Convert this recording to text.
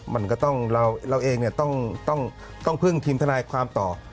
มันก็ต้องเราเองต้องพึ่งทีมทนายความต่อ